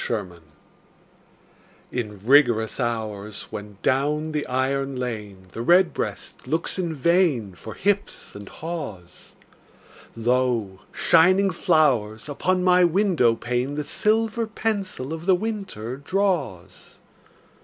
XVII—WINTER In rigorous hours, when down the iron lane The redbreast looks in vain For hips and haws, Lo, shining flowers upon my window pane The silver pencil of the winter draws.